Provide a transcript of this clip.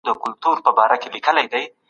د زړه بدو غوښتنو ته پام نه کېږي.